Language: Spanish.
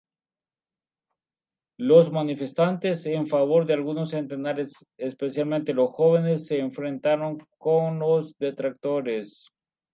Los manifestantes en favor, algunos centenares, especialmente jóvenes, se enfrentaron con los detractores.